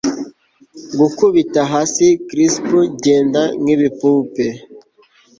gukubita hasi crisp genda nkibipupe